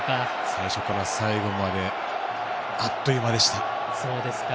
最初から最後まであっという間でした。